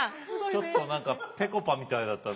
ちょっと何かぺこぱみたいだったね。